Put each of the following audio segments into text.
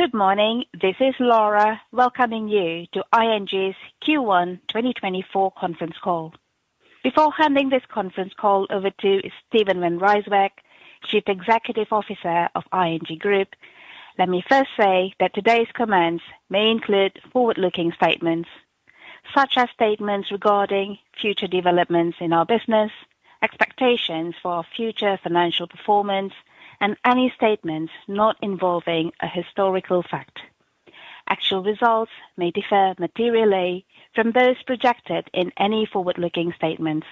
Good morning, this is Laura welcoming you to ING's Q1 2024 conference call. Before handing this conference call over to Steven van Rijswijk, Chief Executive Officer of ING Group, let me first say that today's comments may include forward-looking statements, such as statements regarding future developments in our business, expectations for future financial performance, and any statements not involving a historical fact. Actual results may differ materially from those projected in any forward-looking statements.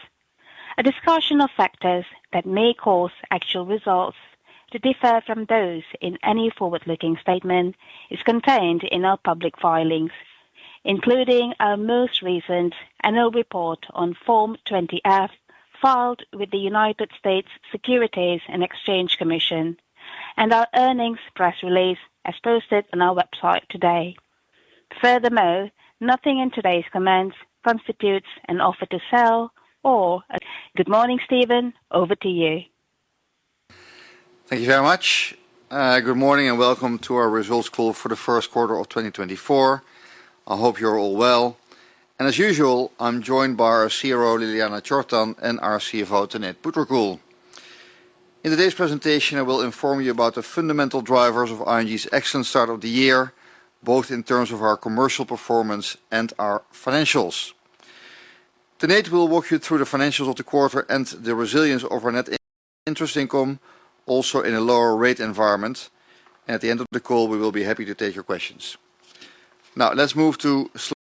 A discussion of factors that may cause actual results to differ from those in any forward-looking statement is contained in our public filings, including our most recent annual report on Form 20-F filed with the United States Securities and Exchange Commission and our earnings press release as posted on our website today. Furthermore, nothing in today's comments constitutes an offer to sell or a— Good morning, Steven. Over to you. Thank you very much. Good morning and welcome to our results call for the first quarter of 2024. I hope you're all well. As usual, I'm joined by our CRO, Ljiljana Čortan, and our CFO, Tanate Phutrakul. In today's presentation, I will inform you about the fundamental drivers of ING's excellent start of the year, both in terms of our commercial performance and our financials. Tanate will walk you through the financials of the quarter and the resilience of our net interest income, also in a lower-rate environment. At the end of the call, we will be happy to take your questions. Now, let's move to slide.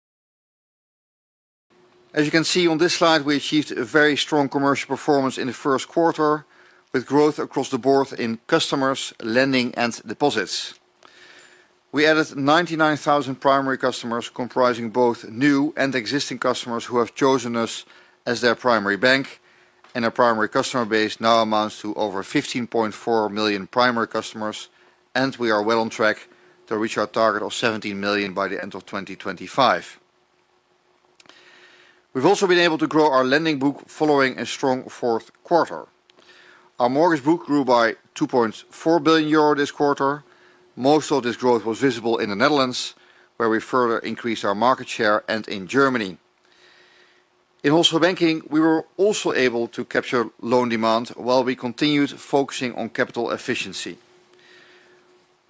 As you can see on this slide, we achieved a very strong commercial performance in the first quarter with growth across the board in customers, lending, and deposits. We added 99,000 primary customers comprising both new and existing customers who have chosen us as their primary bank, and our primary customer base now amounts to over 15.4 million primary customers, and we are well on track to reach our target of 17 million by the end of 2025. We've also been able to grow our lending book following a strong fourth quarter. Our mortgage book grew by 2.4 billion euro this quarter. Most of this growth was visible in the Netherlands, where we further increased our market share, and in Germany. In Wholesale Banking, we were also able to capture loan demand while we continued focusing on capital efficiency.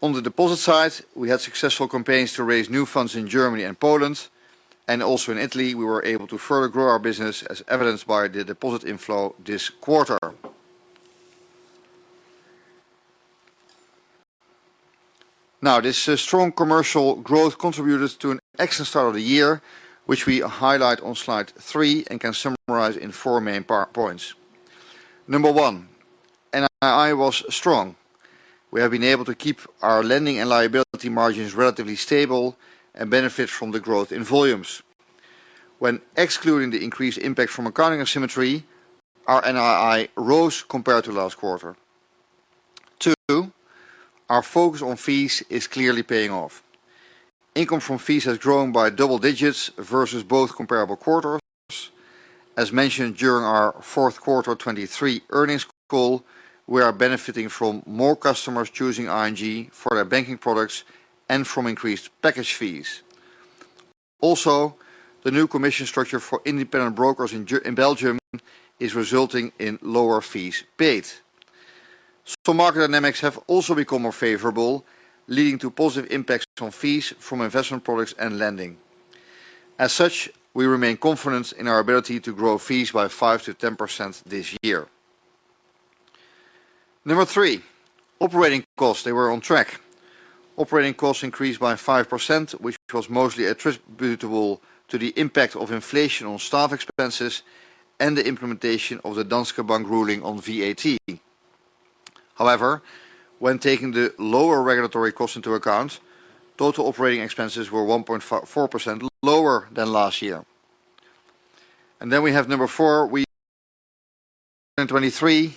On the deposit side, we had successful campaigns to raise new funds in Germany and Poland, and also in Italy, we were able to further grow our business as evidenced by the deposit inflow this quarter. Now, this strong commercial growth contributed to an excellent start of the year, which we highlight on slide three and can summarize in four main points. Number one, NII was strong. We have been able to keep our lending and liability margins relatively stable and benefit from the growth in volumes. When excluding the increased impact from accounting asymmetry, our NII rose compared to last quarter. two, our focus on fees is clearly paying off. Income from fees has grown by double digits versus both comparable quarters. As mentioned during our fourth quarter 2023 earnings call, we are benefiting from more customers choosing ING for their banking products and from increased package fees. Also, the new commission structure for independent brokers in July in Belgium is resulting in lower fees paid. So market dynamics have also become more favorable, leading to positive impacts on fees from investment products and lending. As such, we remain confident in our ability to grow fees by 5%-10% this year. Number three, operating costs. They were on track. Operating costs increased by 5%, which was mostly attributable to the impact of inflation on staff expenses and the implementation of the Danske Bank ruling on VAT. However, when taking the lower regulatory costs into account, total operating expenses were 1.4% lower than last year. And then we have number four. In 2023,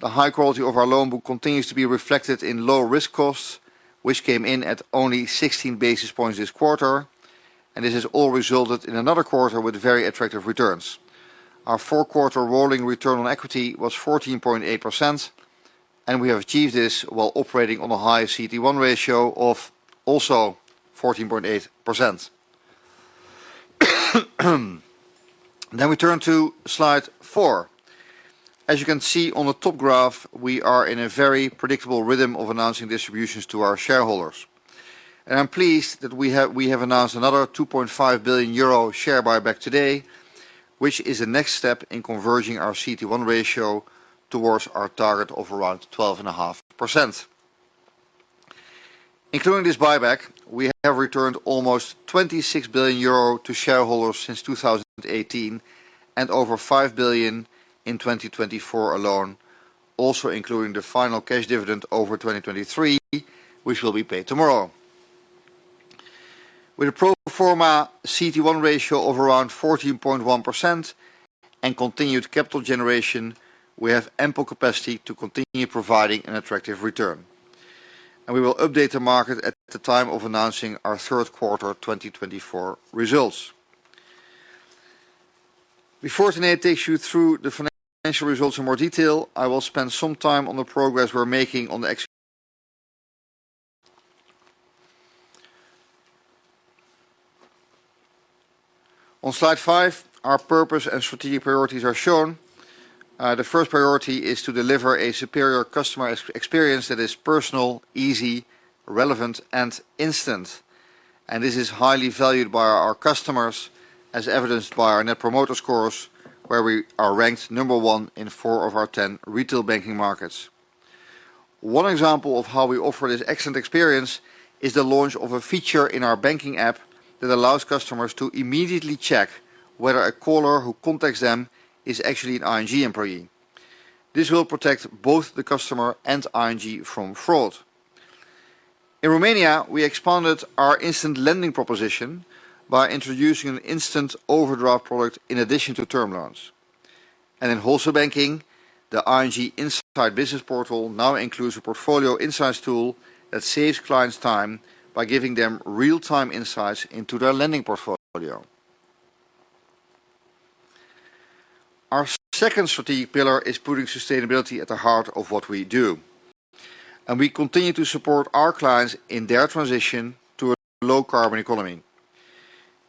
the high quality of our loan book continues to be reflected in low risk costs, which came in at only 16 basis points this quarter, and this has all resulted in another quarter with very attractive returns. Our four-quarter rolling return on equity was 14.8%, and we have achieved this while operating on a high CET1 ratio of also 14.8%. Then we turn to slide four. As you can see on the top graph, we are in a very predictable rhythm of announcing distributions to our shareholders. And I'm pleased that we have, we have announced another 2.5 billion euro share buyback today, which is the next step in converging our CET1 ratio towards our target of around 12.5%. Including this buyback, we have returned almost 26 billion euro to shareholders since 2018 and over 5 billion in 2024 alone, also including the final cash dividend over 2023, which will be paid tomorrow. With a pro forma CET1 ratio of around 14.1% and continued capital generation, we have ample capacity to continue providing an attractive return. And we will update the market at the time of announcing our third quarter 2024 results. Before Tanate takes you through the financial results in more detail, I will spend some time on the progress we're making. On slide five, our purpose and strategic priorities are shown. The first priority is to deliver a superior customer experience that is personal, easy, relevant, and instant. This is highly valued by our customers, as evidenced by our net promoter scores, where we are ranked number one in four of our 10 Retail Banking markets. One example of how we offer this excellent experience is the launch of a feature in our banking app that allows customers to immediately check whether a caller who contacts them is actually an ING employee. This will protect both the customer and ING from fraud. In Romania, we expanded our instant lending proposition by introducing an instant overdraft product in addition to term loans. In Wholesale Banking, the ING InsideBusiness portal now includes a portfolio insights tool that saves clients time by giving them real-time insights into their lending portfolio. Our second strategic pillar is putting sustainability at the heart of what we do. We continue to support our clients in their transition to a low-carbon economy.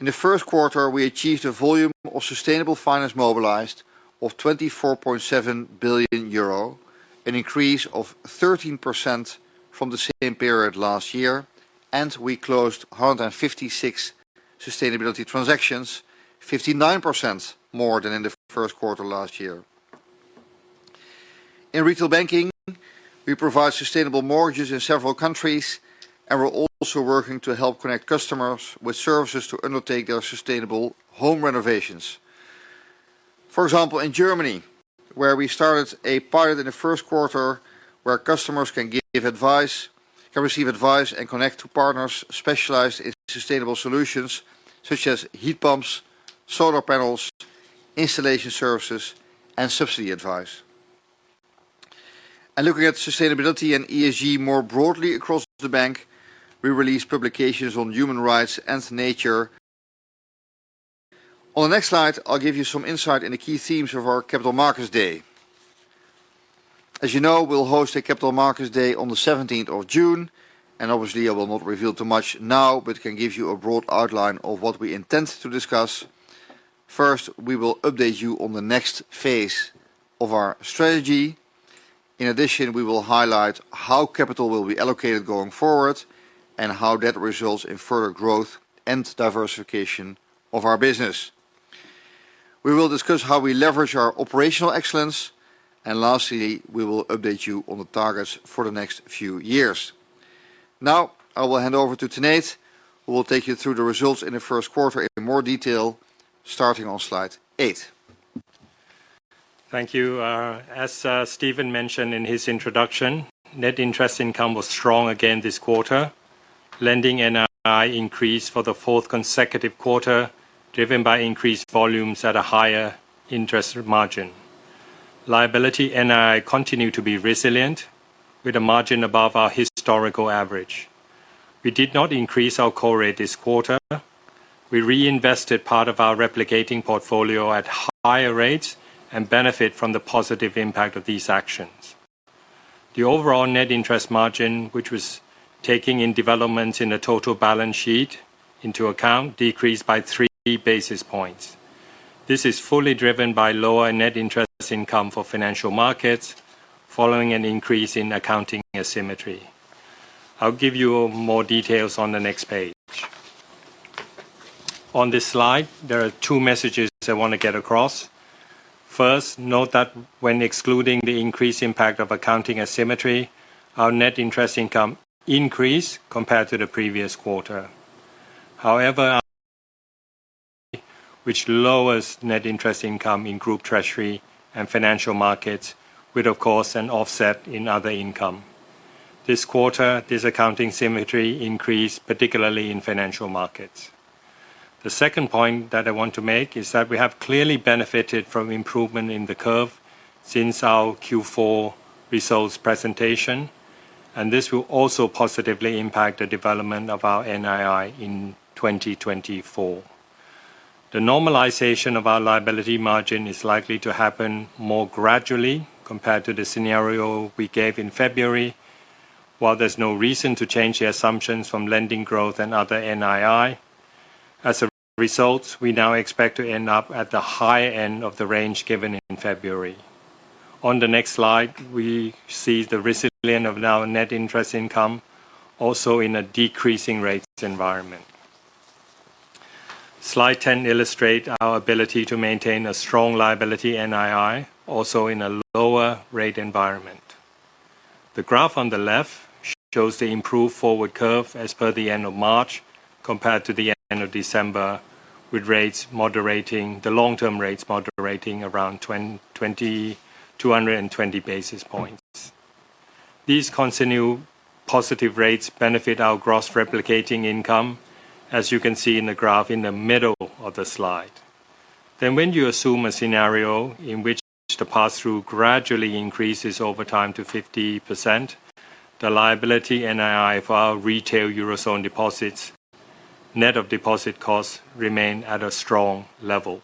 In the first quarter, we achieved a volume of sustainable finance mobilized of 24.7 billion euro, an increase of 13% from the same period last year, and we closed 156 sustainability transactions, 59% more than in the first quarter last year. In Retail Banking, we provide sustainable mortgages in several countries and we're also working to help connect customers with services to undertake their sustainable home renovations. For example, in Germany, where we started a pilot in the first quarter where customers can give advice, can receive advice, and connect to partners specialized in sustainable solutions such as heat pumps, solar panels, installation services, and subsidy advice. Looking at sustainability and ESG more broadly across the bank, we released publications on human rights and nature. On the next slide, I'll give you some insight into key themes of our Capital Markets Day. As you know, we'll host a Capital Markets Day on the 17th of June, and obviously, I will not reveal too much now, but can give you a broad outline of what we intend to discuss. First, we will update you on the next phase of our strategy. In addition, we will highlight how capital will be allocated going forward and how that results in further growth and diversification of our business. We will discuss how we leverage our operational excellence, and lastly, we will update you on the targets for the next few years. Now, I will hand over to Tanate, who will take you through the results in the first quarter in more detail, starting on slide eight. Thank you. As Steven mentioned in his introduction, net interest income was strong again this quarter. Lending NII increased for the fourth consecutive quarter, driven by increased volumes at a higher interest margin. Liability NII continued to be resilient, with a margin above our historical average. We did not increase our core rate this quarter. We reinvested part of our replicating portfolio at higher rates and benefit from the positive impact of these actions. The overall net interest margin, which was taking in developments in the total balance sheet into account, decreased by 3 basis points. This is fully driven by lower net interest income for Financial Markets, following an increase in accounting asymmetry. I'll give you more details on the next page. On this slide, there are two messages I want to get across. First, note that when excluding the increased impact of accounting asymmetry, our net interest income increased compared to the previous quarter. However, which lowers net interest income in Group Treasury and Financial Markets, with, of course, an offset in other income. This quarter, this accounting asymmetry increased, particularly in Financial Markets. The second point that I want to make is that we have clearly benefited from improvement in the curve since our Q4 results presentation, and this will also positively impact the development of our NII in 2024. The normalization of our liability margin is likely to happen more gradually compared to the scenario we gave in February, while there's no reason to change the assumptions from lending growth and other NII. As a result, we now expect to end up at the higher end of the range given in February. On the next slide, we see the resilience of our net interest income, also in a decreasing rates environment. Slide 10 illustrates our ability to maintain a strong liability NII, also in a lower rate environment. The graph on the left shows the improved forward curve as per the end of March compared to the end of December, with rates moderating, the long-term rates moderating around 220 basis points. These continue positive rates benefit our gross replicating income, as you can see in the graph in the middle of the slide. Then when you assume a scenario in which the pass-through gradually increases over time to 50%, the liability NII for our retail Eurozone deposits, net of deposit costs, remain at a strong level.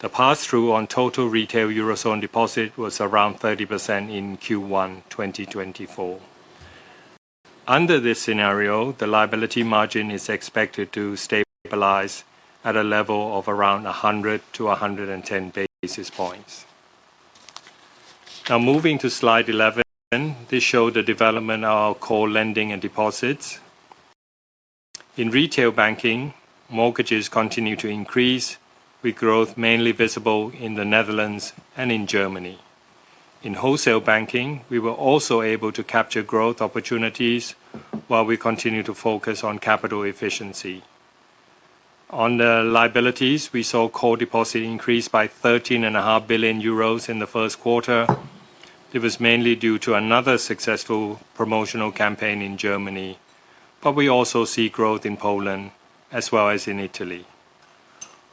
The pass-through on total retail Eurozone deposit was around 30% in Q1 2024. Under this scenario, the liability margin is expected to stabilize at a level of around 100-110 basis points. Now, moving to slide 11, this shows the development of our core lending and deposits. In Retail Banking, mortgages continue to increase, with growth mainly visible in the Netherlands and in Germany. In Wholesale Banking, we were also able to capture growth opportunities while we continue to focus on capital efficiency. On the liabilities, we saw core deposit increase by 13.5 billion euros in the first quarter. It was mainly due to another successful promotional campaign in Germany, but we also see growth in Poland as well as in Italy.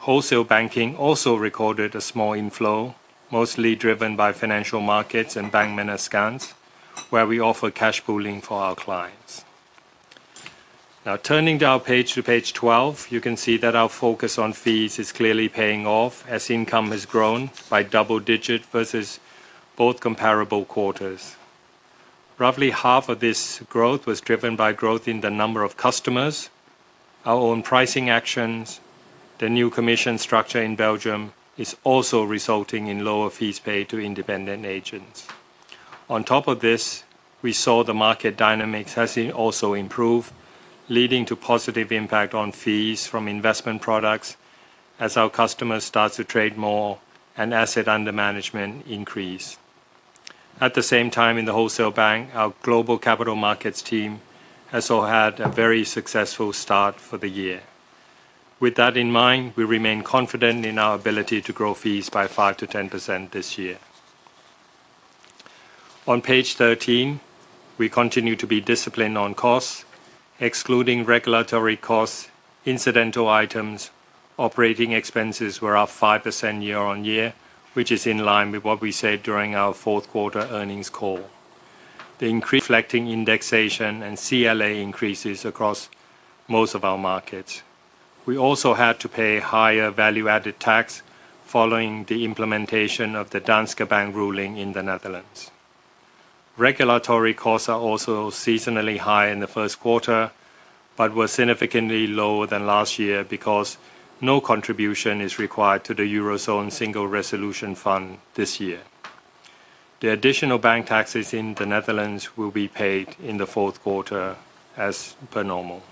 Wholesale Banking also recorded a small inflow, mostly driven by Financial Markets and Bank Mendes Gans, where we offer cash pooling for our clients. Now, turning to page 12, you can see that our focus on fees is clearly paying off as income has grown by double-digit versus both comparable quarters. Roughly half of this growth was driven by growth in the number of customers, our own pricing actions. The new commission structure in Belgium is also resulting in lower fees paid to independent agents. On top of this, we saw the market dynamics has also improved, leading to positive impact on fees from investment products as our customers start to trade more and assets under management increase. At the same time, in the Wholesale Banking, our Global Capital Markets team has also had a very successful start for the year. With that in mind, we remain confident in our ability to grow fees by 5%-10% this year. On page 13, we continue to be disciplined on costs, excluding regulatory costs, incidental items, operating expenses were up 5% year-over-year, which is in line with what we said during our fourth quarter earnings call. The increase, reflecting indexation and CLA increases across most of our markets. We also had to pay higher value-added tax following the implementation of the Danske Bank ruling in the Netherlands. Regulatory costs are also seasonally high in the first quarter but were significantly lower than last year because no contribution is required to the Eurozone Single Resolution Fund this year. The additional bank taxes in the Netherlands will be paid in the fourth quarter as per normal.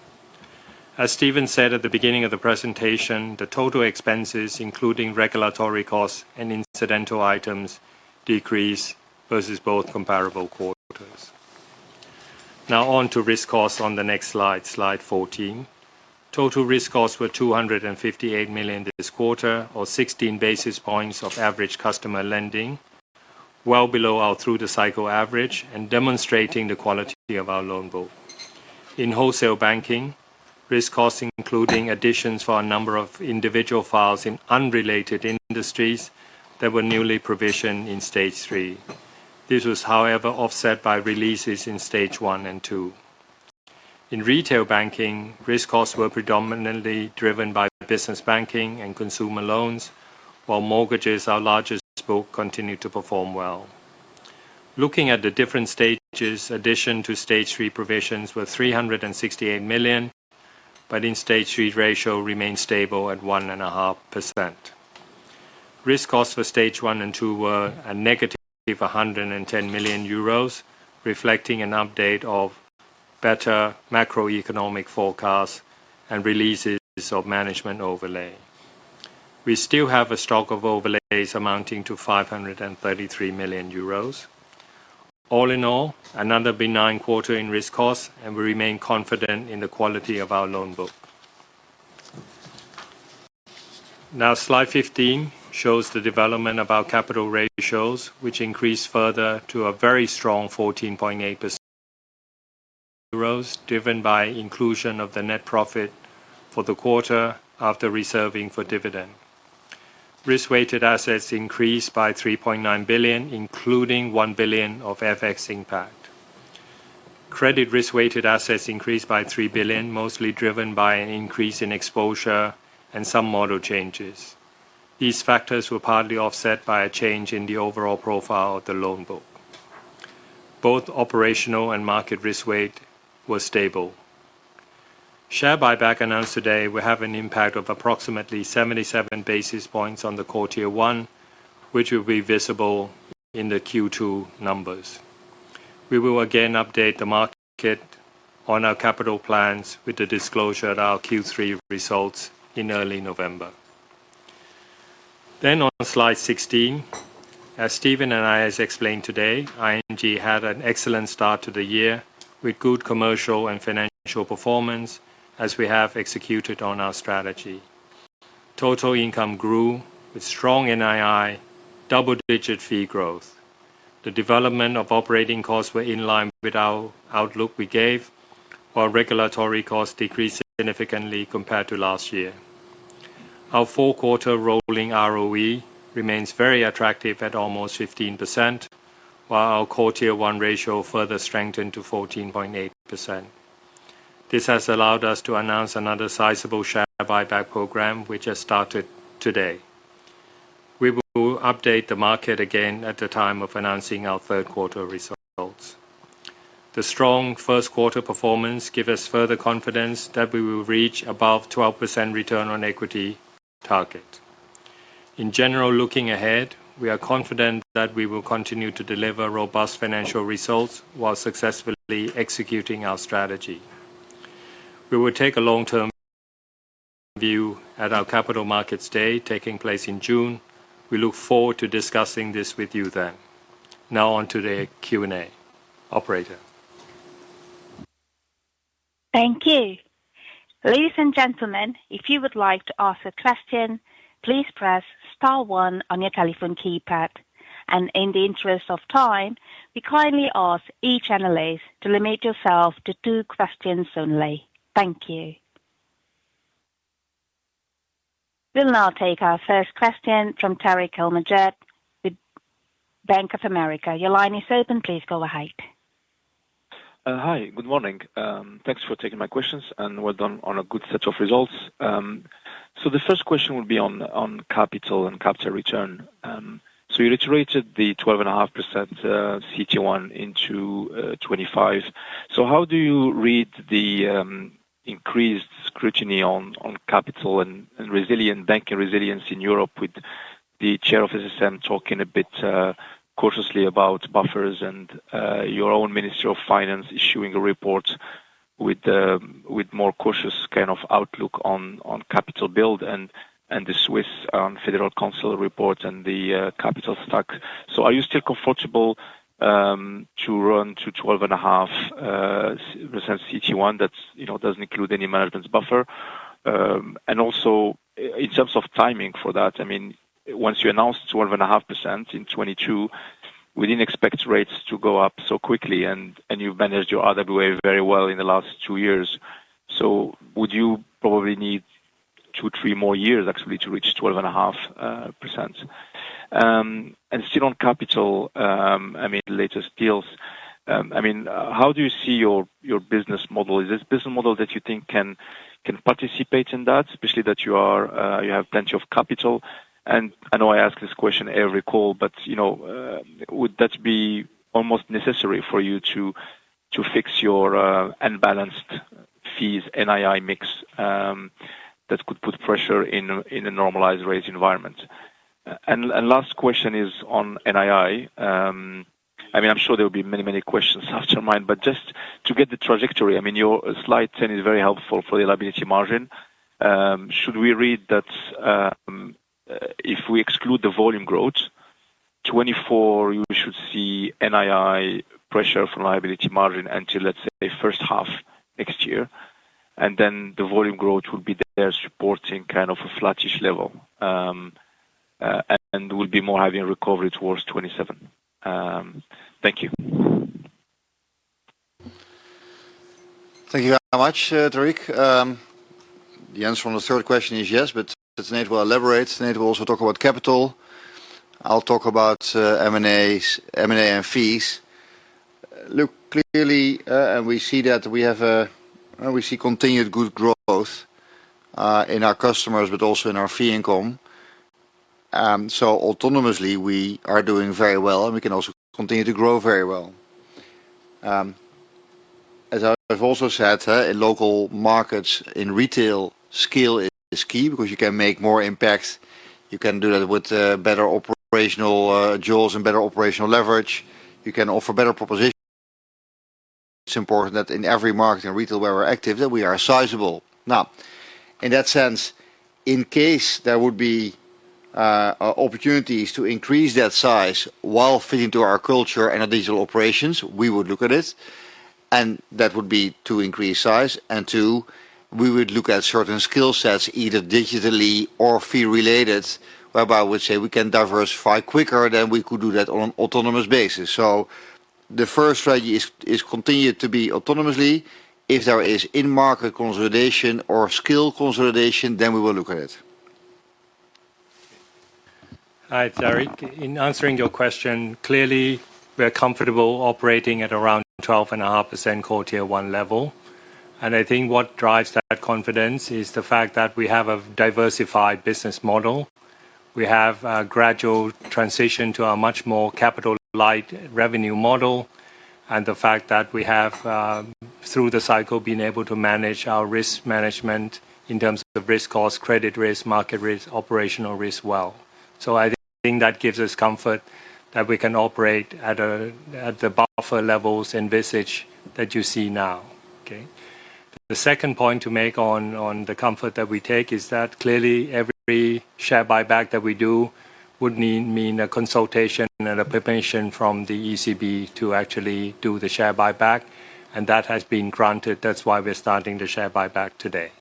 As Steven said at the beginning of the presentation, the total expenses, including regulatory costs and incidental items, decreased versus both comparable quarters. Now, on to risk costs on the next slide, slide 14. Total risk costs were 258 million this quarter, or 16 basis points of average customer lending, well below our through-the-cycle average and demonstrating the quality of our loan book. In Wholesale Banking, risk costs including additions for a number of individual files in unrelated industries that were newly provisioned in Stage 3. This was, however, offset by releases in Stage 1 and 2. In Retail Banking, risk costs were predominantly driven by Business Banking and consumer loans, while mortgages, our largest book, continue to perform well. Looking at the different stages, addition to Stage 3 provisions were 368 million, but the Stage 3 ratio remained stable at 1.5%. Risk costs for Stage 1 and 2 were a negative 110 million euros, reflecting an update of better macroeconomic forecasts and releases of management overlay. We still have a stock of overlays amounting to 533 million euros. All in all, another benign quarter in risk costs, and we remain confident in the quality of our loan book. Now, slide 15 shows the development of our capital ratios, which increased further to a very strong 14.8%, driven by inclusion of the net profit for the quarter after reserving for dividend. Risk-weighted assets increased by 3.9 billion, including 1 billion of FX impact. Credit risk-weighted assets increased by 3 billion, mostly driven by an increase in exposure and some model changes. These factors were partly offset by a change in the overall profile of the loan book. Both operational and market risk weights were stable. Share buyback announced today will have an impact of approximately 77 basis points on the quarter one, which will be visible in the Q2 numbers. We will again update the market on our capital plans with the disclosure of our Q3 results in early November. Then, on slide 16, as Steven and I have explained today, ING had an excellent start to the year with good commercial and financial performance as we have executed on our strategy. Total income grew with strong NII, double-digit fee growth. The development of operating costs was in line with our outlook we gave, while regulatory costs decreased significantly compared to last year. Our four-quarter rolling ROE remains very attractive at almost 15%, while our quarter one ratio further strengthened to 14.8%. This has allowed us to announce another sizable share buyback program, which has started today. We will update the market again at the time of announcing our third quarter results. The strong first quarter performance gives us further confidence that we will reach above 12% return on equity target. In general, looking ahead, we are confident that we will continue to deliver robust financial results while successfully executing our strategy. We will take a long-term view at our Capital Markets Day taking place in June. We look forward to discussing this with you then. Now, on to the Q&A. Operator. Thank you. Ladies and gentlemen, if you would like to ask a question, please press star one on your telephone keypad. In the interest of time, we kindly ask each analyst to limit yourself to two questions only. Thank you. We'll now take our first question from Tarik El Mejjad with Bank of America. Your line is open. Please go ahead. Hi. Good morning. Thanks for taking my questions, and well done on a good set of results. The first question will be on capital and capital return. You reiterated the 12.5% CET1 into 2025. How do you read the increased scrutiny on capital and resilient banking resilience in Europe, with the chair of SSM talking a bit cautiously about buffers and your own Ministry of Finance issuing a report with more cautious kind of outlook on capital build and the Swiss Federal Council report and the capital stock? Are you still comfortable to run to 12.5% CET1 that doesn't include any management buffer? Also, in terms of timing for that, I mean, once you announced 12.5% in 2022, we didn't expect rates to go up so quickly, and you've managed your RWA very well in the last two years. So would you probably need 2-3 more years, actually, to reach 12.5%? And still on capital, I mean, latest deals, I mean, how do you see your business model? Is this business model that you think can participate in that, especially that you have plenty of capital? And I know I ask this question every call, but would that be almost necessary for you to fix your unbalanced fees NII mix that could put pressure in a normalized rate environment? And last question is on NII. I mean, I'm sure there will be many, many questions after mine, but just to get the trajectory, I mean, your slide 10 is very helpful for the liability margin. Should we read that if we exclude the volume growth, 2024, you should see NII pressure from liability margin until, let's say, first half next year, and then the volume growth will be there supporting kind of a flattish level and will be more having recovery towards 2027? Thank you. Thank you very much, Tarik. The answer on the third question is yes, but today we'll elaborate. Today we'll also talk about capital. I'll talk about M&A and fees. Look, clearly, we see continued good growth in our customers but also in our fee income. So autonomously, we are doing very well, and we can also continue to grow very well. As I've also said, in local markets, in retail, scale is key because you can make more impact. You can do that with better operational jaws and better operational leverage. You can offer better proposition. It's important that in every market and retail where we're active, that we are sizable. Now, in that sense, in case there would be opportunities to increase that size while fitting to our culture and our digital operations, we would look at it. That would be to increase size. Two, we would look at certain skill sets, either digitally or fee-related, whereby I would say we can diversify quicker than we could do that on an autonomous basis. So the first strategy is continue to be autonomously. If there is in-market consolidation or skill consolidation, then we will look at it. Hi, Tarik. In answering your question, clearly, we're comfortable operating at around 12.5% quarter one level. And I think what drives that confidence is the fact that we have a diversified business model. We have a gradual transition to a much more capital-light revenue model and the fact that we have, through-the-cycle, been able to manage our risk management in terms of risk cost, credit risk, market risk, operational risk well. So I think that gives us comfort that we can operate at the buffer levels and [average] that you see now. Okay? The second point to make on the comfort that we take is that clearly, every share buyback that we do would mean a consultation and a permission from the ECB to actually do the share buyback. And that has been granted. That's why we're starting the share buyback today.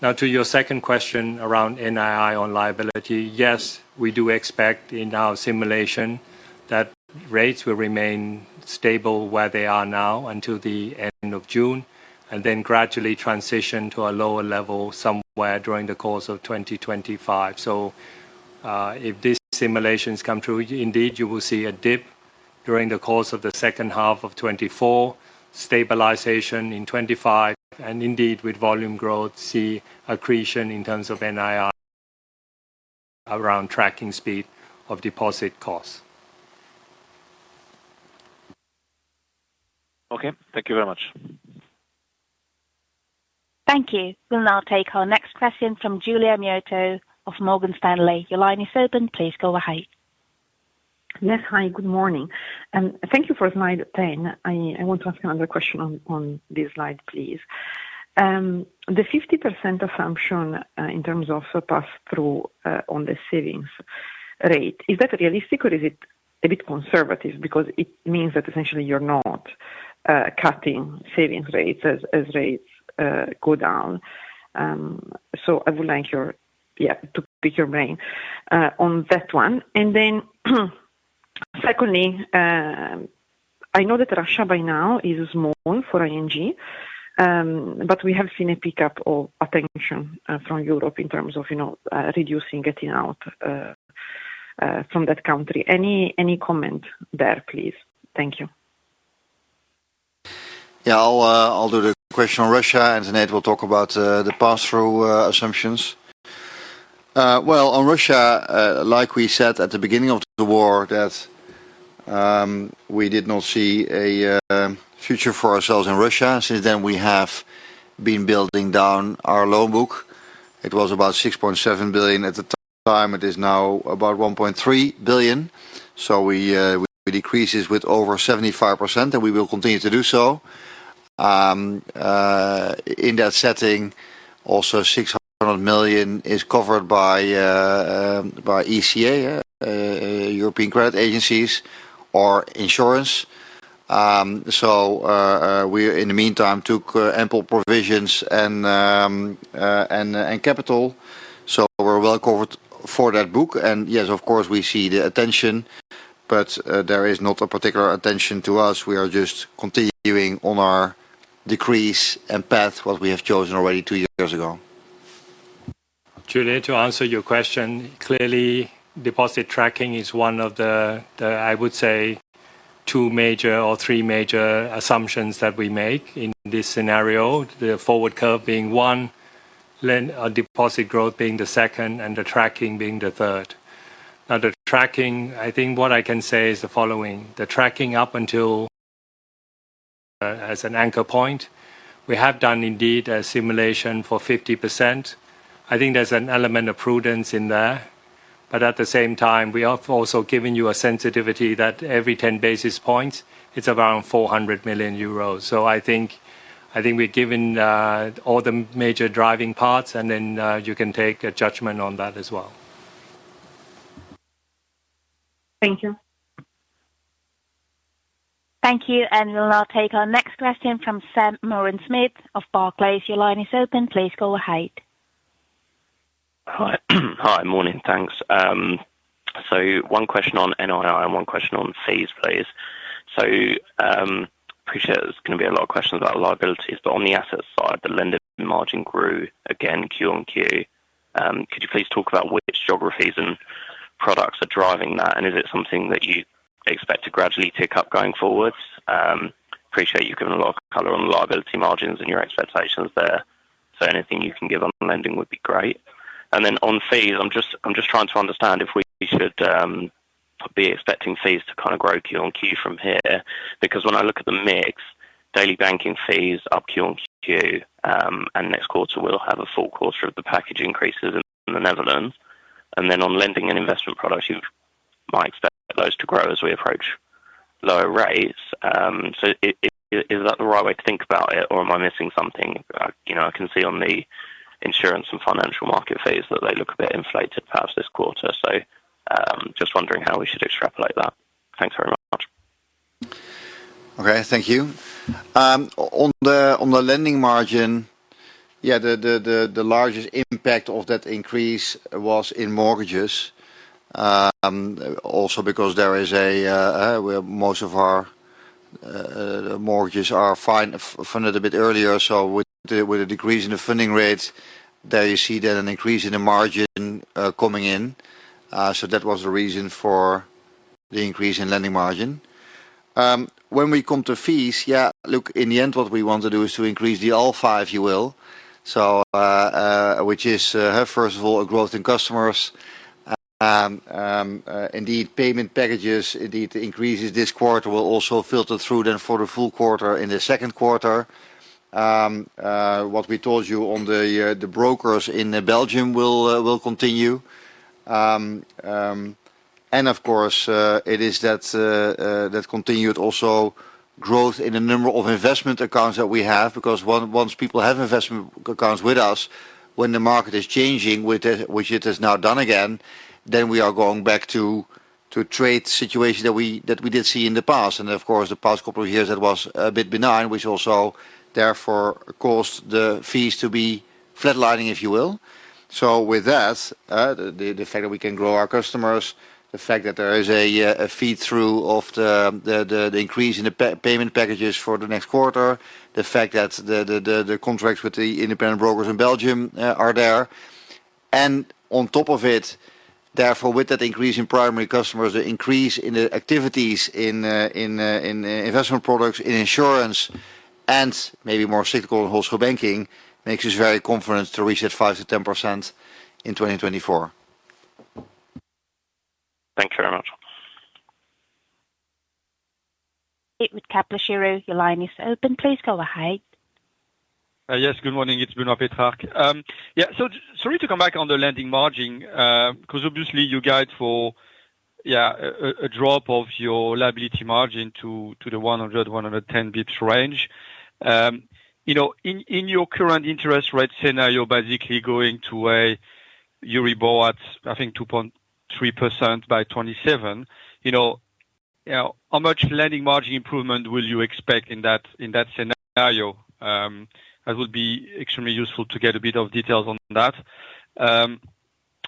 Now, to your second question around NII on liability, yes, we do expect in our simulation that rates will remain stable where they are now until the end of June and then gradually transition to a lower level somewhere during the course of 2025. So if these simulations come true, indeed, you will see a dip during the course of the second half of 2024, stabilization in 2025, and indeed, with volume growth, see accretion in terms of NII around tracking speed of deposit costs. Okay. Thank you very much. Thank you. We'll now take our next question from Giulia Miotto of Morgan Stanley. Your line is open. Please go ahead. Yes. Hi. Good morning. Thank you for the slide, Tan. I want to ask another question on this slide, please. The 50% assumption in terms of pass-through on the savings rate, is that realistic, or is it a bit conservative because it means that essentially, you're not cutting savings rates as rates go down? So I would like your yeah, to pick your brain on that one. And then secondly, I know that Russia by now is small for ING, but we have seen a pickup of attention from Europe in terms of reducing getting out from that country. Any comment there, please? Thank you. Yeah. I'll do the question on Russia, and today we'll talk about the pass-through assumptions. Well, on Russia, like we said at the beginning of the war, that we did not see a future for ourselves in Russia. Since then, we have been winding down our loan book. It was about 6.7 billion at the time. It is now about 1.3 billion. So we decrease this with over 75%, and we will continue to do so. In that setting, also, 600 million is covered by ECA, export credit agencies, or insurance. So we, in the meantime, took ample provisions and capital. So we're well covered for that book. And yes, of course, we see the attention, but there is not a particular attention to us. We are just continuing on our [decrease in path], what we have chosen already two years ago. Julia, to answer your question, clearly, deposit tracking is one of the, I would say, two major or three major assumptions that we make in this scenario, the forward curve being one, deposit growth being the second, and the tracking being the third. Now, the tracking, I think what I can say is the following: the tracking up until as an anchor point, we have done indeed a simulation for 50%. I think there's an element of prudence in there. But at the same time, we have also given you a sensitivity that every 10 basis points, it's around 400 million euros. So I think we've given all the major driving parts, and then you can take a judgment on that as well. Thank you. Thank you. We'll now take our next question from Sam Moran-Smyth of Barclays. Your line is open. Please go ahead. Hi. Morning. Thanks. So one question on NII and one question on fees, please. So I appreciate there's going to be a lot of questions about liabilities. But on the asset side, the lending margin grew again Q-on-Q. Could you please talk about which geographies and products are driving that? And is it something that you expect to gradually tick up going forwards? Appreciate you've given a lot of color on liability margins and your expectations there. So anything you can give on lending would be great. And then on fees, I'm just trying to understand if we should be expecting fees to kind of grow Q-on-Q from here because when I look at the mix, daily banking fees up Q-on-Q, and next quarter, we'll have a full quarter of the package increases in the Netherlands. And then on lending and investment products, you might expect those to grow as we approach lower rates. So is that the right way to think about it, or am I missing something? I can see on the insurance and financial market fees that they look a bit inflated, perhaps, this quarter. So just wondering how we should extrapolate that. Thanks very much. Okay. Thank you. On the lending margin, yeah, the largest impact of that increase was in mortgages, also because most of our mortgages are funded a bit earlier. So with a decrease in the funding rates, there you see then an increase in the margin coming in. So that was the reason for the increase in lending margin. When we come to fees, yeah, look, in the end, what we want to do is to increase the all five, if you will, which is, first of all, a growth in customers, indeed, payment packages, indeed, the increases this quarter will also filter through then for the full quarter in the second quarter. What we told you on the brokers in Belgium will continue. And of course, it is that continued also growth in the number of investment accounts that we have because once people have investment accounts with us, when the market is changing, which it has now done again, then we are going back to trade situations that we did see in the past. And of course, the past couple of years, that was a bit benign, which also therefore caused the fees to be flatlining, if you will. So with that, the fact that we can grow our customers, the fact that there is a feed-through of the increase in the payment packages for the next quarter, the fact that the contracts with the independent brokers in Belgium are there, and on top of it, therefore, with that increase in primary customers, the increase in the activities in investment products, in insurance, and maybe more cyclical in Wholesale Banking makes us very confident to reach that 5%-10% in 2024. Thank you very much. It was Kepler Cheuvreux. Your line is open. Please go ahead. Yes. Good morning. It's Benoît Pétrarque. Yeah. So sorry to come back on the lending margin because obviously, you guide for, yeah, a drop of your liability margin to the 100-110 bps range. In your current interest rate scenario, basically going to a Euribor at, I think, 2.3% by 2027, how much lending margin improvement will you expect in that scenario? That would be extremely useful to get a bit of details on that.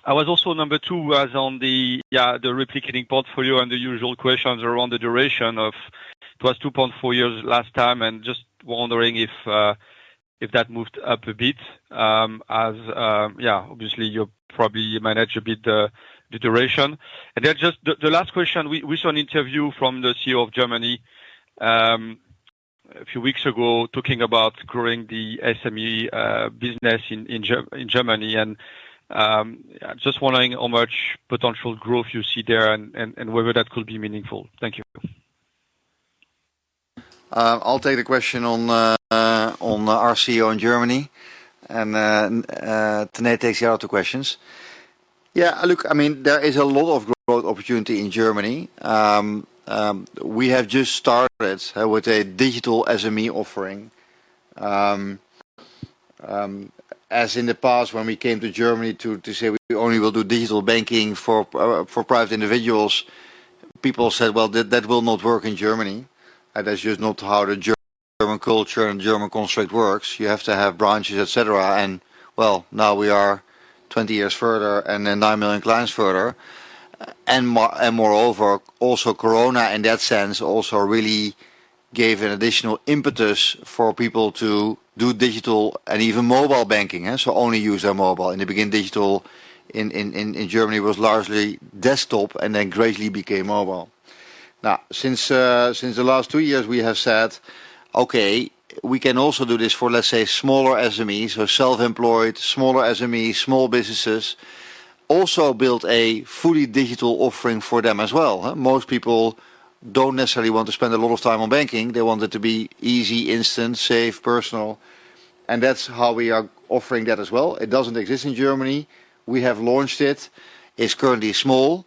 I was also number two, was on the replicating portfolio and the usual questions around the duration of it was 2.4 years last time, and just wondering if that moved up a bit as, yeah, obviously, you probably manage a bit the duration. Just the last question, we saw an interview from the CEO of Germany a few weeks ago talking about growing the SME business in Germany, and just wondering how much potential growth you see there and whether that could be meaningful. Thank you. I'll take the question on our CFO in Germany, and Tanate takes the other two questions. Yeah. Look, I mean, there is a lot of growth opportunity in Germany. We have just started, I would say, digital SME offering. As in the past, when we came to Germany to say we only will do digital banking for private individuals, people said, "Well, that will not work in Germany. That's just not how the German culture and German construct works. You have to have branches, etc." Well, now we are 20 years further and then 9 million clients further. Moreover, also, Corona in that sense also really gave an additional impetus for people to do digital and even mobile banking, so only use their mobile. In the beginning, digital in Germany was largely desktop and then gradually became mobile. Now, since the last 2 years, we have said, "Okay, we can also do this for, let's say, smaller SMEs," so self-employed, smaller SMEs, small businesses, also build a fully digital offering for them as well. Most people don't necessarily want to spend a lot of time on banking. They want it to be easy, instant, safe, personal. And that's how we are offering that as well. It doesn't exist in Germany. We have launched it. It's currently small.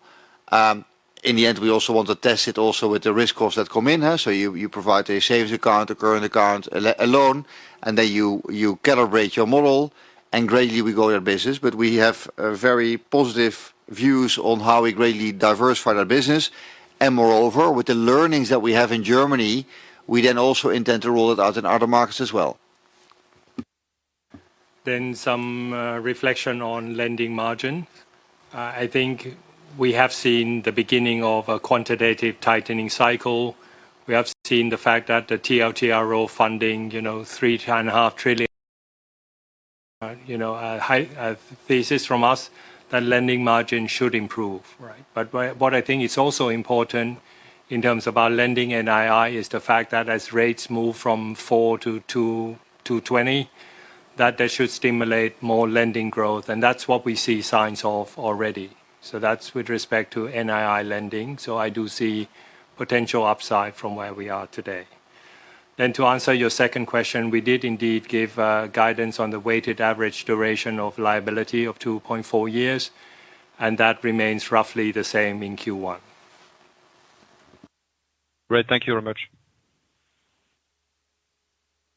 In the end, we also want to test it also with the risk costs that come in. So you provide a savings account, a current account, a loan, and then you calibrate your model, and gradually, we grow your business. But we have very positive views on how we greatly diversify our business. Moreover, with the learnings that we have in Germany, we then also intend to roll it out in other markets as well. Then some reflection on lending margin. I think we have seen the beginning of a quantitative tightening cycle. We have seen the fact that the TLTRO funding, 3.5 trillion, a thesis from us that lending margin should improve, right? But what I think is also important in terms of our lending NII is the fact that as rates move from 4-20, that that should stimulate more lending growth. And that's what we see signs of already. So that's with respect to NII lending. So I do see potential upside from where we are today. Then to answer your second question, we did indeed give guidance on the weighted average duration of liability of 2.4 years, and that remains roughly the same in Q1. Great. Thank you very much.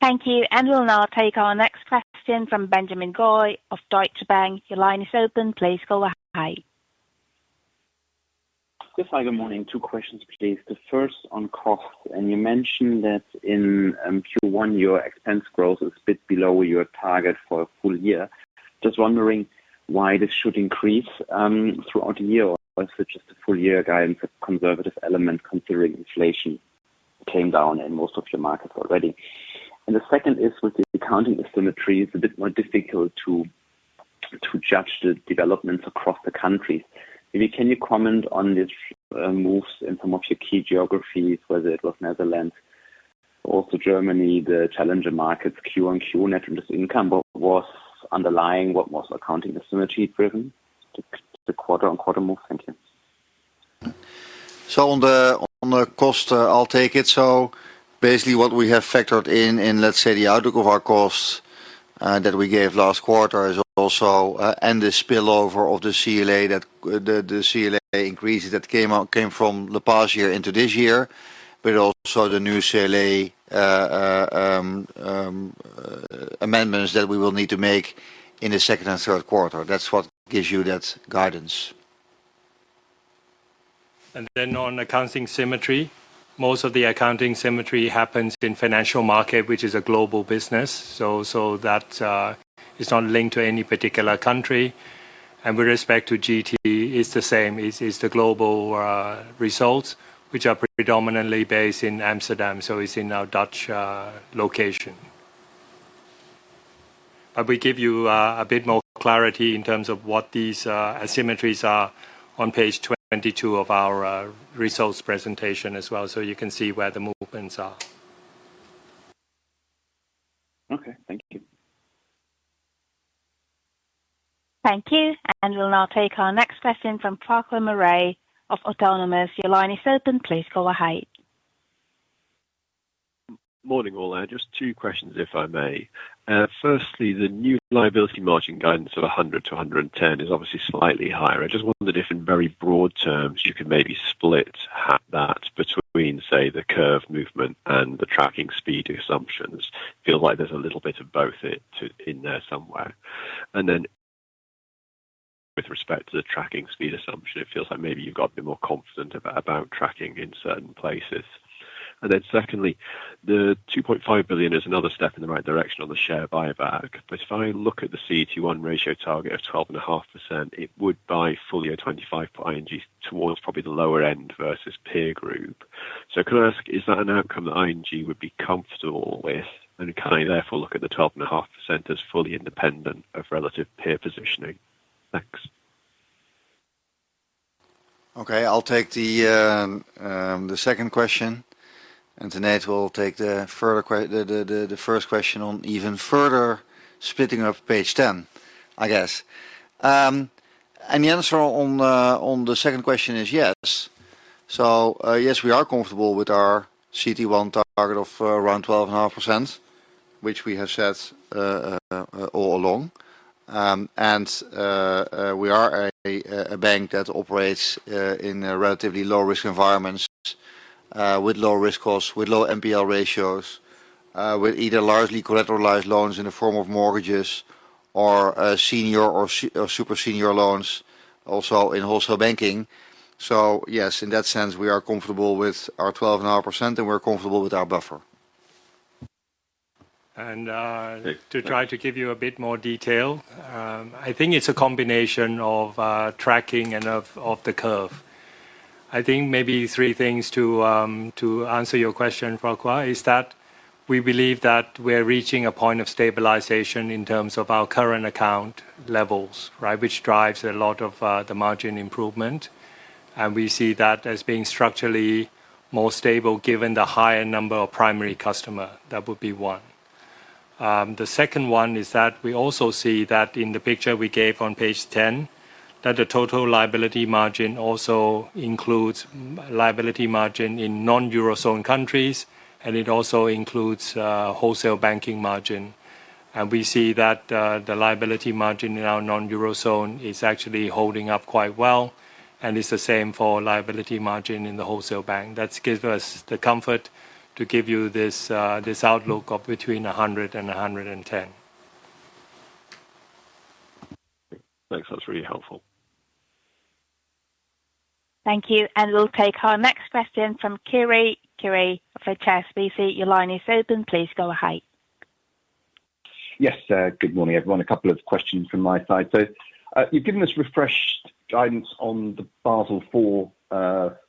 Thank you. We'll now take our next question from Benjamin Goy of Deutsche Bank. Your line is open. Please go ahead. Yes. Hi. Good morning. Two questions, please. The first on costs. You mentioned that in Q1, your expense growth is a bit below your target for a full year. Just wondering why this should increase throughout the year or is it just a full-year guidance, a conservative element considering inflation came down in most of your markets already? The second is with the accounting asymmetries, a bit more difficult to judge the developments across the countries. Maybe can you comment on these moves in some of your key geographies, whether it was Netherlands, also Germany, the challenger markets, Q on Q, net interest income? What was underlying? What was accounting asymmetry driven? The quarter-on-quarter move. Thank you. So on the costs, I'll take it. So basically, what we have factored in, let's say, the outlook of our costs that we gave last quarter is also and the spillover of the CLA that the CLA increases that came from the past year into this year, but also the new CLA amendments that we will need to make in the second and third quarter. That's what gives you that guidance. On accounting asymmetry, most of the accounting asymmetry happens in Financial Markets, which is a global business. So that is not linked to any particular country. With respect to GT, it's the same. It's the global results, which are predominantly based in Amsterdam. It's in our Dutch location. We give you a bit more clarity in terms of what these asymmetries are on page 22 of our results presentation as well so you can see where the movements are. Okay. Thank you. Thank you. We'll now take our next question from Farquhar Murray of Autonomous. Your line is open. Please go ahead. Morning, all there. Just two questions, if I may. Firstly, the new liability margin guidance of 100-110 is obviously slightly higher. I just wondered if, in very broad terms, you can maybe split that between, say, the curve movement and the tracking speed assumptions. It feels like there's a little bit of both in there somewhere. And then with respect to the tracking speed assumption, it feels like maybe you've got a bit more confident about tracking in certain places. And then secondly, the 2.5 billion is another step in the right direction on the share buyback. But if I look at the CET1 ratio target of 12.5%, it would buy fully a 25-point ING towards probably the lower end versus peer group. So can I ask, is that an outcome that ING would be comfortable with? Can I, therefore, look at the 12.5% as fully independent of relative peer positioning? Thanks. Okay. I'll take the second question. Today, we'll take the first question on even further splitting up page 10, I guess. The answer on the second question is yes. So yes, we are comfortable with our CET1 target of around 12.5%, which we have said all along. And we are a bank that operates in relatively low-risk environments with low-risk costs, with low MPL ratios, with either largely collateralized loans in the form of mortgages or senior or super-senior loans, also in Wholesale Banking. So yes, in that sense, we are comfortable with our 12.5%, and we're comfortable with our buffer. To try to give you a bit more detail, I think it's a combination of tracking and of the curve. I think maybe three things to answer your question, Farquhar, is that we believe that we're reaching a point of stabilization in terms of our current account levels, right, which drives a lot of the margin improvement. And we see that as being structurally more stable given the higher number of primary customer. That would be one. The second one is that we also see that in the picture we gave on page 10, that the total liability margin also includes liability margin in non-Eurozone countries, and it also includes Wholesale Banking margin. And we see that the liability margin in our non-Eurozone is actually holding up quite well. And it's the same for liability margin in the Wholesale Bank. That gives us the comfort to give you this outlook of between 100 and 110. Thanks. That's really helpful. Thank you. We'll take our next question from Kiri. Kiri Vijayarajah, HSBC, your line is open. Please go ahead. Yes. Good morning, everyone. A couple of questions from my side. So you've given us refreshed guidance on the Basel IV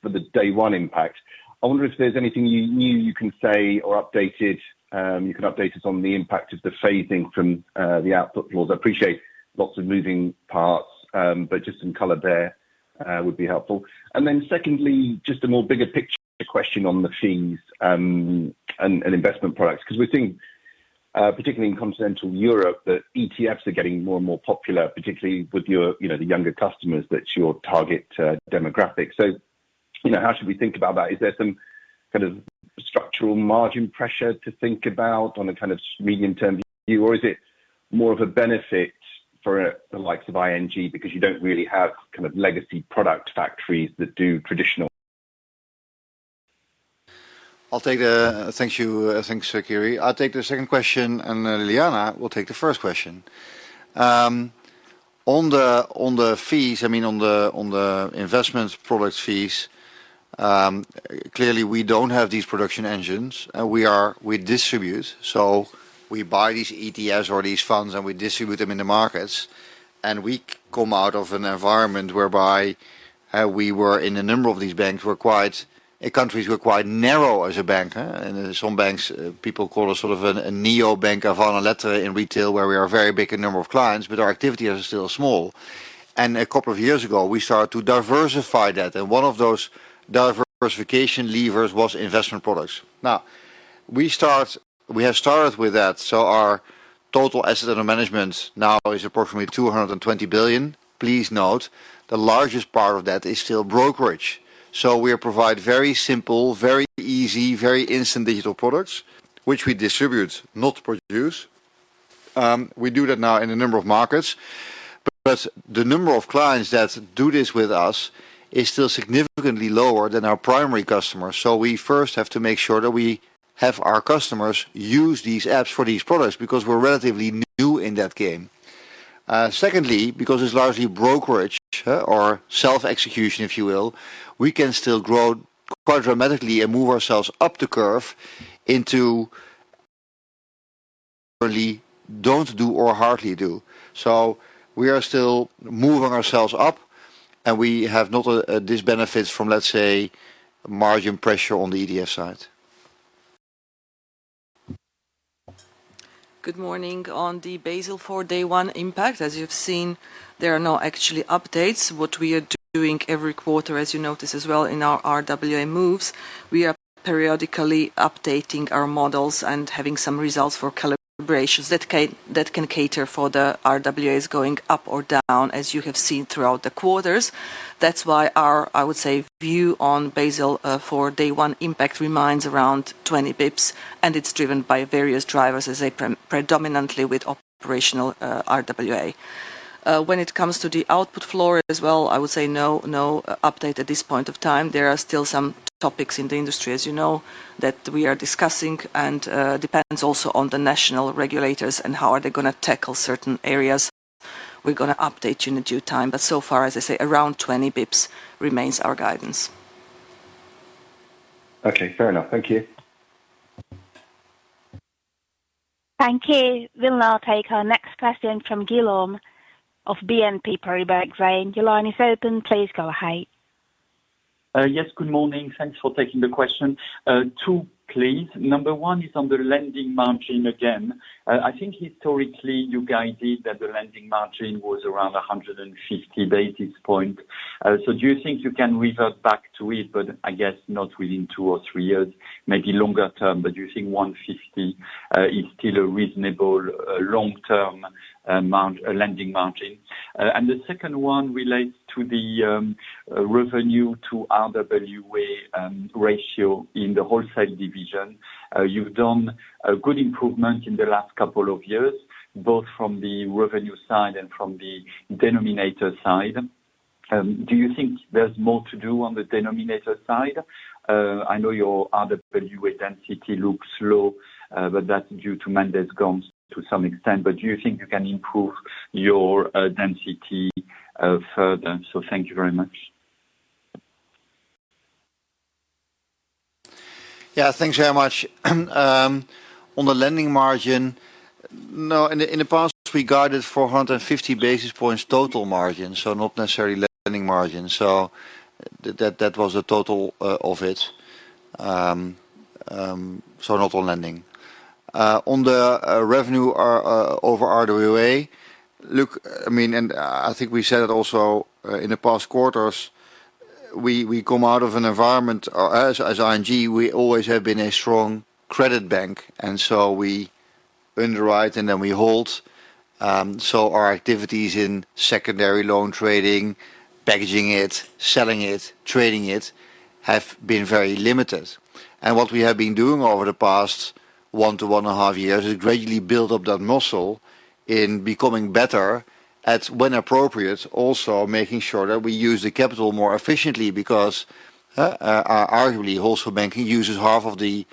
for the day one impact. I wonder if there's anything new you can say or updated. You can update us on the impact of the phasing from the output floors. I appreciate lots of moving parts, but just some color there would be helpful. And then secondly, just a more bigger picture question on the fees and investment products because we're seeing, particularly in continental Europe, that ETFs are getting more and more popular, particularly with the younger customers, that's your target demographic. So how should we think about that? Is there some kind of structural margin pressure to think about on a kind of medium-term view, or is it more of a benefit for the likes of ING because you don't really have kind of legacy product factories that do traditional? I'll take the thanks, Kiri. I'll take the second question, and Ljiljana will take the first question. On the fees, I mean, on the investment product fees, clearly, we don't have these production engines. We distribute. So we buy these ETFs or these funds, and we distribute them in the markets. And we come out of an environment whereby we were in a number of these banks were quite countries were quite narrow as a bank. In some banks, people call it sort of a neobank avant-garde in retail where we are very big in number of clients, but our activity is still small. And a couple of years ago, we started to diversify that. And one of those diversification levers was investment products. Now, we have started with that. So our total assets under management now is approximately 220 billion. Please note, the largest part of that is still brokerage. So we provide very simple, very easy, very instant digital products, which we distribute, not produce. We do that now in a number of markets. But the number of clients that do this with us is still significantly lower than our primary customers. So we first have to make sure that we have our customers use these apps for these products because we're relatively new in that game. Secondly, because it's largely brokerage or self-execution, if you will, we can still grow quite dramatically and move ourselves up the curve into only don't do or hardly do. So we are still moving ourselves up, and we have not disbenefits from, let's say, margin pressure on the ETF side. Good morning. On the Basel IV day one impact, as you've seen, there are no actual updates. What we are doing every quarter, as you notice as well in our RWA moves, we are periodically updating our models and having some results for calibrations that can cater for the RWAs going up or down, as you have seen throughout the quarters. That's why our, I would say, view on Basel IV day one impact remains around 20 pips, and it's driven by various drivers, predominantly with operational RWA. When it comes to the output floor as well, I would say no update at this point of time. There are still some topics in the industry, as you know, that we are discussing, and depends also on the national regulators and how are they going to tackle certain areas. We're going to update you in due time. So far, as I say, around 20 pips remains our guidance. Okay. Fair enough. Thank you. Thank you. We'll now take our next question from Guillaume of BNP Paribas. Your line is open. Please go ahead. Yes. Good morning. Thanks for taking the question. Two, please. Number one is on the lending margin again. I think, historically, you guided that the lending margin was around 150 basis points. So do you think you can revert back to it, but I guess not within 2 or 3 years, maybe longer term? But do you think 150 is still a reasonable long-term lending margin? And the second one relates to the revenue-to-RWA ratio in the Wholesale division. You've done a good improvement in the last couple of years, both from the revenue side and from the denominator side. Do you think there's more to do on the denominator side? I know your RWA density looks low, but that's due to Mendes Gans to some extent. But do you think you can improve your density further? So thank you very much. Yeah. Thanks very much. On the lending margin, no, in the past, we guided 450 basis points total margin, so not necessarily lending margin. So that was the total of it, so not on lending. On the revenue over RWA, look, I mean, and I think we said it also in the past quarters, we come out of an environment as ING, we always have been a strong credit bank. And so we underwrite, and then we hold. So our activities in secondary loan trading, packaging it, selling it, trading it have been very limited. What we have been doing over the past 1 to 1.5 years is gradually build up that muscle in becoming better at, when appropriate, also making sure that we use the capital more efficiently because, arguably, Wholesale Banking uses half of the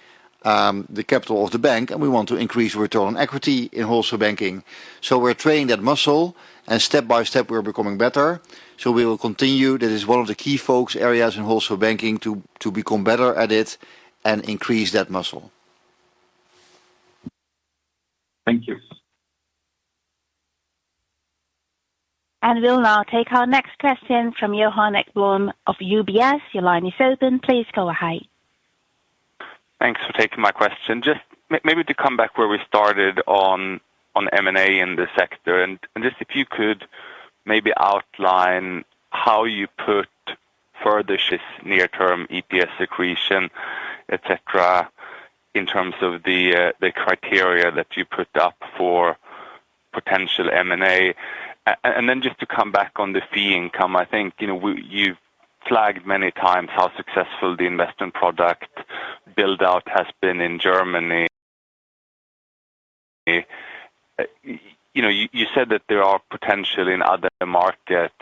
capital of the bank, and we want to increase return on equity in Wholesale Banking. So we're training that muscle, and step by step, we're becoming better. So we will continue. That is one of the key focus areas in Wholesale Banking to become better at it and increase that muscle. Thank you. We'll now take our next question from Johan Ekblom of UBS. Your line is open. Please go ahead. Thanks for taking my question. Maybe to come back where we started on M&A in the sector. And just if you could maybe outline how you view the near-term M&A activity, etc., in terms of the criteria that you set up for potential M&A. And then just to come back on the fee income, I think you've flagged many times how successful the investment product buildout has been in Germany. You said that there are potential in other markets.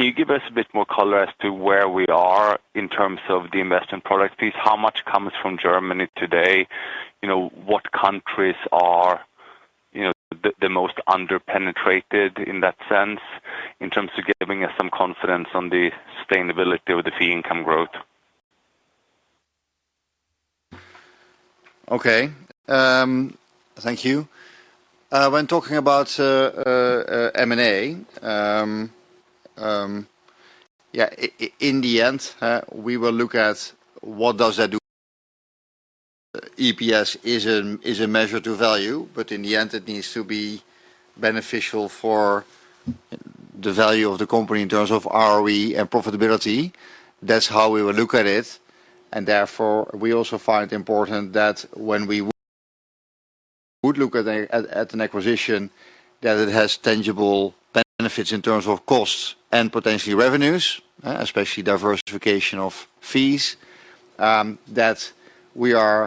Can you give us a bit more color as to where we are in terms of the investment product piece? How much comes from Germany today? What countries are the most underpenetrated in that sense, in terms of giving us some confidence on the sustainability of the fee income growth? Okay. Thank you. When talking about M&A, yeah, in the end, we will look at what does that do. EPS is a measure to value, but in the end, it needs to be beneficial for the value of the company in terms of ROE and profitability. That's how we will look at it. And therefore, we also find it important that when we would look at an acquisition, that it has tangible benefits in terms of costs and potentially revenues, especially diversification of fees, that we are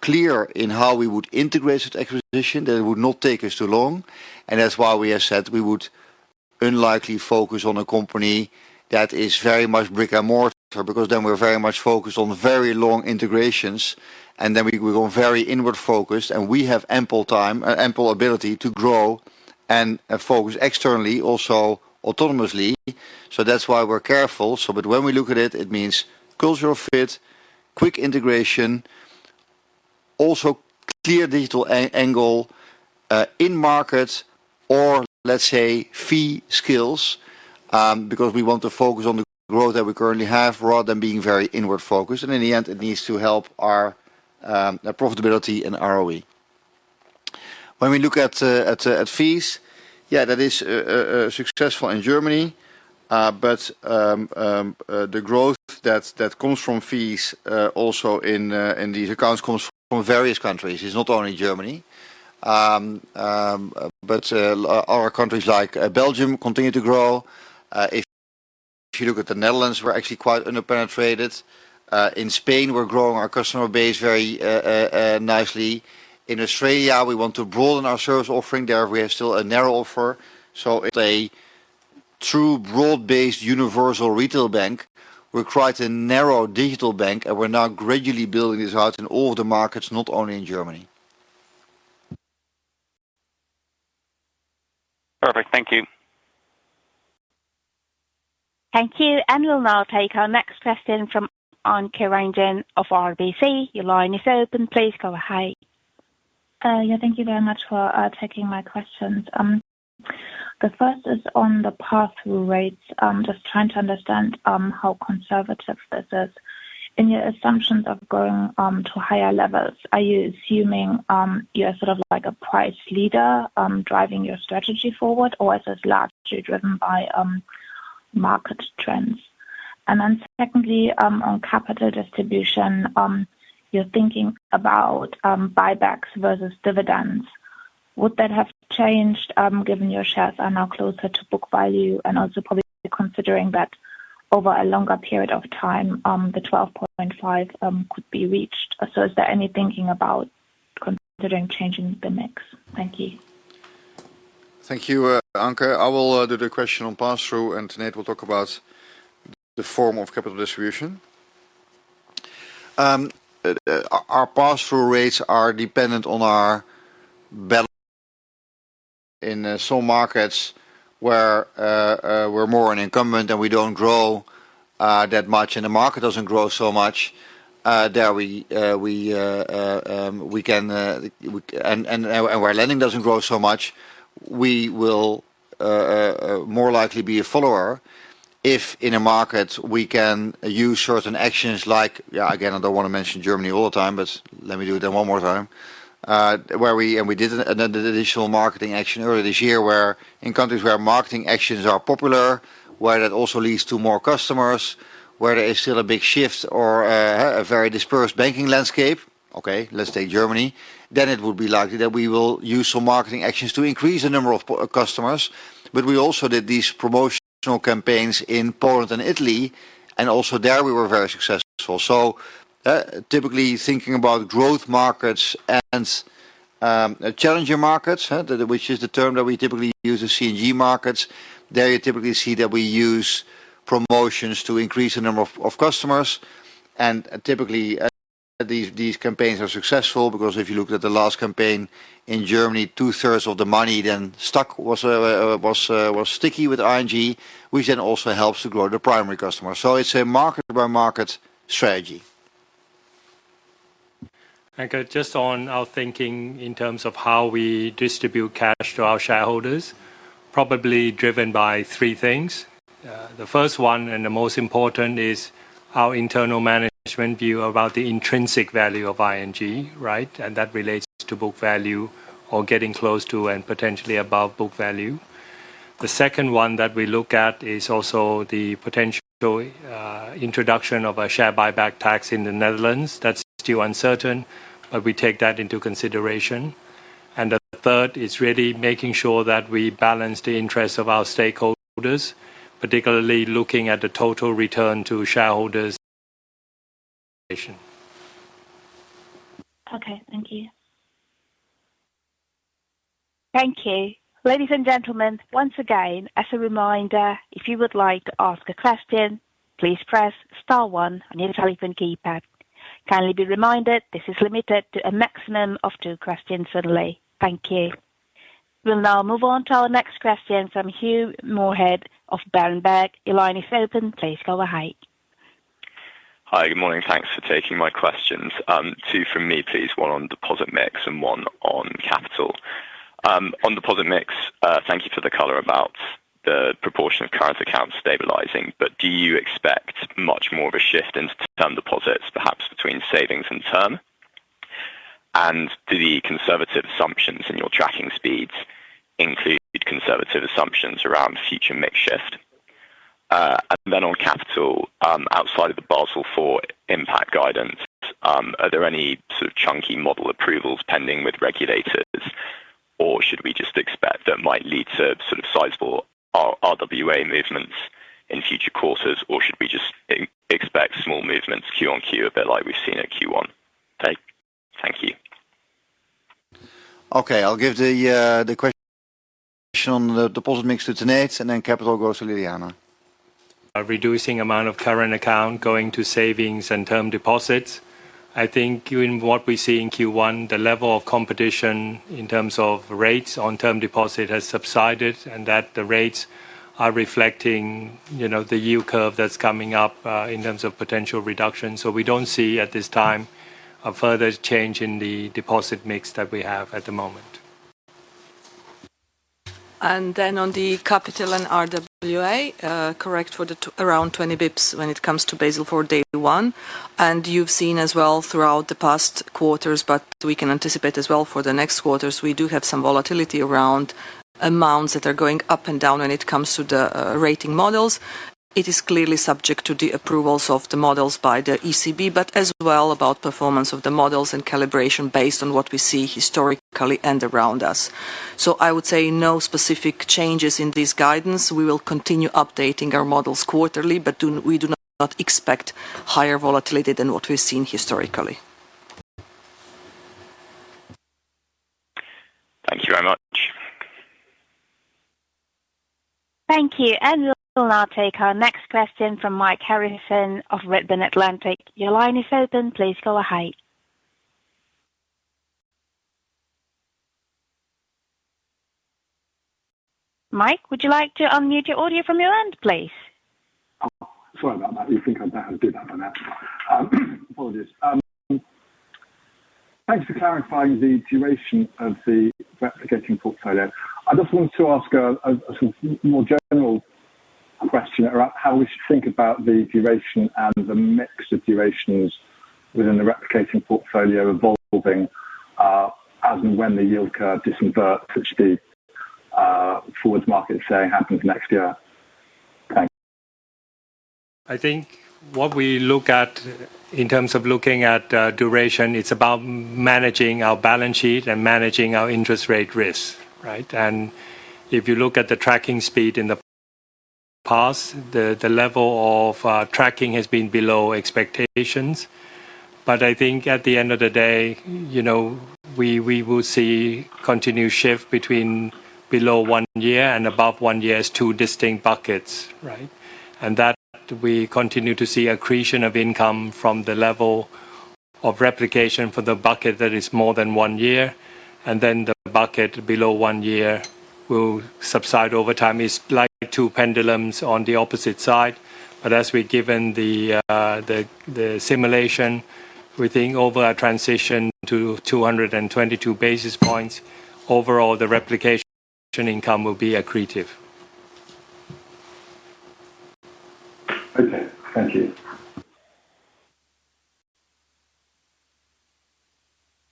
clear in how we would integrate with acquisition, that it would not take us too long. And that's why we have said we would unlikely focus on a company that is very much brick-and-mortar because then we're very much focused on very long integrations, and then we go very inward-focused. We have ample time and ample ability to grow and focus externally, also autonomously. So that's why we're careful. But when we look at it, it means cultural fit, quick integration, also clear digital angle in markets or, let's say, fee skills because we want to focus on the growth that we currently have rather than being very inward-focused. In the end, it needs to help our profitability and ROE. When we look at fees, yeah, that is successful in Germany. But the growth that comes from fees, also in these accounts, comes from various countries. It's not only Germany, but other countries like Belgium continue to grow. If you look at the Netherlands, we're actually quite underpenetrated. In Spain, we're growing our customer base very nicely. In Australia, we want to broaden our service offering. Therefore, we have still a narrow offer. So, a true broad-based universal retail bank, we're quite a narrow digital bank, and we're now gradually building this out in all of the markets, not only in Germany. Perfect. Thank you. Thank you. We'll now take our next question from Anke Reingen of RBC. Your line is open. Please go ahead. Yeah. Thank you very much for taking my questions. The first is on the pass-through rates. I'm just trying to understand how conservative this is. In your assumptions of going to higher levels, are you assuming you're sort of like a price leader driving your strategy forward, or is this largely driven by market trends? And then secondly, on capital distribution, you're thinking about buybacks versus dividends. Would that have changed given your shares are now closer to book value and also probably considering that over a longer period of time, the 12.5 could be reached? So is there any thinking about considering changing the mix? Thank you. Thank you, Anke. I will do the question on pass-through, and Tanate will talk about the form of capital distribution. Our pass-through rates are dependent on our position in some markets where we're more of an incumbent and we don't grow that much and the market doesn't grow so much, there we can, and where lending doesn't grow so much, we will more likely be a follower. If in a market we can use certain actions like, yeah, again, I don't want to mention Germany all the time, but let me do it then one more time, where we, and we did an additional marketing action earlier this year where in countries where marketing actions are popular, where that also leads to more customers, where there is still a big shift or a very dispersed banking landscape, okay, let's take Germany. Then it would be likely that we will use some marketing actions to increase the number of customers. But we also did these promotional campaigns in Poland and Italy, and also there we were very successful. So typically thinking about growth markets and challenger markets, which is the term that we typically use as CNG markets, there you typically see that we use promotions to increase the number of customers. And typically, these campaigns are successful because if you look at the last campaign in Germany, 2/3 of the money then stuck was sticky with ING, which then also helps to grow the primary customer. So it's a market-by-market strategy. Anke, just on our thinking in terms of how we distribute cash to our shareholders, probably driven by three things. The first one and the most important is our internal management view about the intrinsic value of ING, right? And that relates to book value or getting close to and potentially above book value. The second one that we look at is also the potential introduction of a share buyback tax in the Netherlands. That's still uncertain, but we take that into consideration. And the third is really making sure that we balance the interests of our stakeholders, particularly looking at the total return to shareholders. Okay. Thank you. Thank you. Ladies and gentlemen, once again, as a reminder, if you would like to ask a question, please press star one on your telephone keypad. Kindly be reminded, this is limited to a maximum of two questions only. Thank you. We'll now move on to our next question from Hugh Moorhead of Berenberg. Your line is open. Please go ahead. Hi. Good morning. Thanks for taking my questions. Two from me, please. One on deposit mix and one on capital. On deposit mix, thank you for the color about the proportion of current accounts stabilizing, but do you expect much more of a shift in term deposits, perhaps between savings and term? Do the conservative assumptions in your tracking speeds include conservative assumptions around future mix shift? On capital, outside of the Basel IV impact guidance, are there any sort of chunky model approvals pending with regulators, or should we just expect that might lead to sort of sizable RWA movements in future quarters, or should we just expect small movements Q on Q a bit like we've seen at Q1? Thank you. Okay. I'll give the question on the deposit mix to Tanate, and then capital goes to Ljiljana. Reducing amount of current account going to savings and term deposits. I think in what we see in Q1, the level of competition in terms of rates on term deposit has subsided and that the rates are reflecting the yield curve that's coming up in terms of potential reduction. So we don't see at this time a further change in the deposit mix that we have at the moment. Then on the capital and RWA, correct for the around 20 bps when it comes to Basel IV Day One. You've seen as well throughout the past quarters, but we can anticipate as well for the next quarters, we do have some volatility around amounts that are going up and down when it comes to the rating models. It is clearly subject to the approvals of the models by the ECB, but as well about performance of the models and calibration based on what we see historically and around us. I would say no specific changes in this guidance. We will continue updating our models quarterly, but we do not expect higher volatility than what we've seen historically. Thank you very much. Thank you. And we'll now take our next question from Mike Harrison of Redburn Atlantic. Your line is open. Please go ahead. Mike, would you like to unmute your audio from your end, please? Sorry about that. You think I don't have to do that by now. Apologies. Thanks for clarifying the duration of the replicating portfolio. I just wanted to ask a sort of more general question about how we should think about the duration and the mix of durations within the replicating portfolio evolving as and when the yield curve disinverts, so to speak, forward market, say, happens next year? Thanks. I think what we look at in terms of looking at duration, it's about managing our balance sheet and managing our interest rate risk, right? And if you look at the tracking speed in the past, the level of tracking has been below expectations. But I think at the end of the day, we will see continued shift between below 1 year and above 1 year as two distinct buckets, right? And that we continue to see accretion of income from the level of replication for the bucket that is more than 1 year, and then the bucket below 1 year will subside over time. It's like two pendulums on the opposite side. But as we're given the simulation, we think over our transition to 222 basis points, overall, the replication income will be accretive. Okay. Thank you.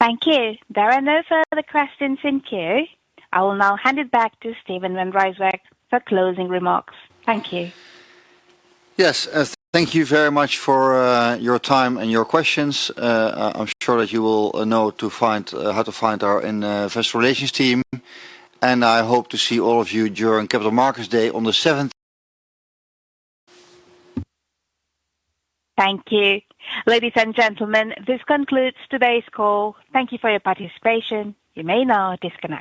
Thank you. There are no further questions in queue. I will now hand it back to Steven van Rijswijk for closing remarks. Thank you. Yes. Thank you very much for your time and your questions. I'm sure that you will know how to find our Investor Relations team. I hope to see all of you during Capital Markets Day on the 7th. Thank you. Ladies and gentlemen, this concludes today's call. Thank you for your participation. You may now disconnect.